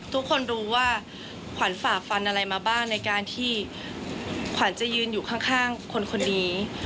ทุกคนรู้ว่าขวัญฝากฟันอะไรมาบ้างในการที่ขวัญจะยืนอยู่ข้างคนนี้